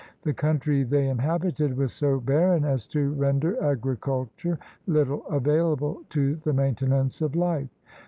The country they inhabited was so barren as to render agriculture Uttle available to the maintenance of life.